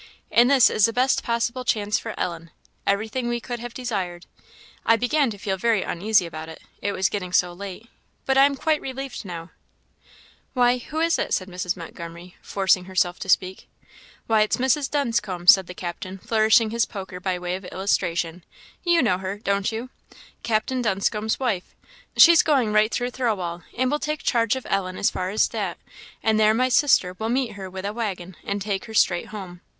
And this is the best possible chance for Ellen every thing we could have desired. I began to feel very uneasy about it it was getting so late; but I am quite relieved now." "Who is it?" said Mrs. Montgomery, forcing herself to speak. "Why, it's Mrs. Dunscombe," said the captain, flourishing his poker by way of illustration; "you know her, don't you? Captain Dunscombe's wife she's going right through Thirlwall, and will take charge of Ellen as far as that, and there my sister will meet her with a waggon and take her straight home.